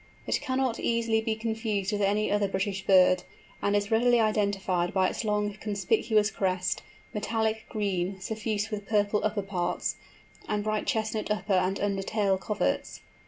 It cannot easily be confused with any other British bird, and is readily identified by its long conspicuous crest, metallic green, suffused with purple upper parts, and bright chestnut upper and under tail coverts.